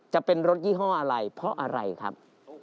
จะเป็นรถยี่ห้ออะไรเพราะอะไรครับ